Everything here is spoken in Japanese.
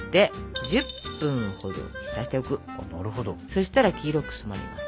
そしたら黄色く染まります。